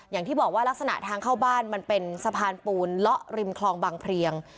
อย่างที่บอกว่ารักษณะทางเข้าบ้านมันเป็นสะพานปูนเลาะริมคลองบางเพลียง